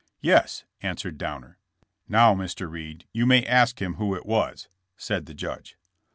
"Yes," answered Downer. "Now, Mr. Reed, you may ask him who it was/' said the judge.